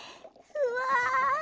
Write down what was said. うわ！